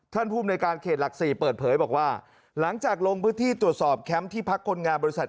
ภูมิในการเขตหลัก๔เปิดเผยบอกว่าหลังจากลงพื้นที่ตรวจสอบแคมป์ที่พักคนงานบริษัท